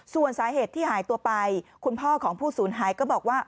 ส่วนสาเหตุที่หายตัวไปคุณพ่อของผู้สูญหายก็บอกว่า